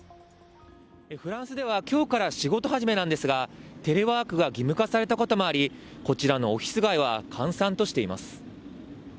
フランスではきょうから仕事始めなんですが、テレワークが義務化されたこともあり、こちらのオフィス街は閑散としています。